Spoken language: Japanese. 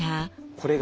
これが。